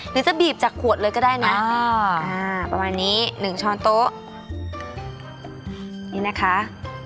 นี่จะบีบจากขวดเลยก็ได้นะอ๋อประมาณนี้๑ช้อนโต๊ะนี่นะคะ